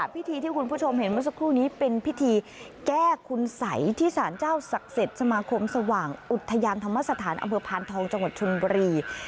พิธีที่คุณผู้ชมเห็นเมื่อสักครู่นี้เป็นพิธีแก้คุณสัยที่สารเจ้าศักดิ์สิทธิ์สมาคมสว่างอุทยานธรรมสถานอำเภอพานทองจังหวัดชนบุรี